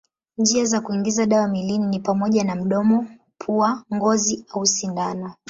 Njia za kuingiza dawa mwilini ni pamoja na mdomo, pua, ngozi au sindano.